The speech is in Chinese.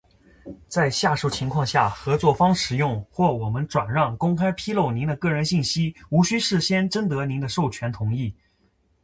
在下述情况下，合作方使用，或我们转让、公开披露您的个人信息无需事先征得您的授权同意：